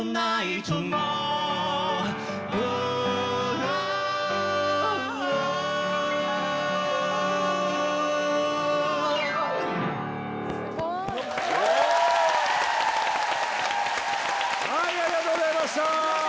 Ｗｏｏ ありがとうございました！